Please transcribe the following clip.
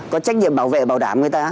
có trách nhiệm bảo vệ bảo đảm người ta